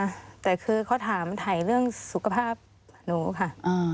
อเรนนี่แต่คือเขาถามไถเรื่องสุขภาพนูค่ะ